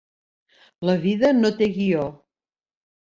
La vida no té guió.